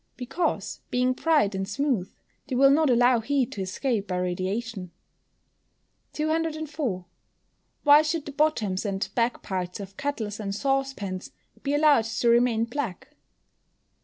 _ Because, being bright and smooth, they will not allow heat to escape by radiation. 204. _Why should the bottoms and back parts of kettles and saucepans be allowed to remain black?